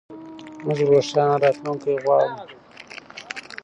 موږ روښانه راتلونکی غواړو.